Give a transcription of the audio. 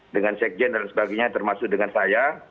dengan sekjen dan sebagainya termasuk dengan saya